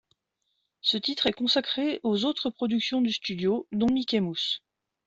Ce titre est consacré aux autres productions du studio dont Mickey Mouse.